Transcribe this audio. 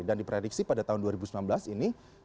dan diprediksi pada tahun dua ribu sembilan belas ini